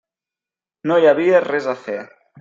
No hi havia res a fer.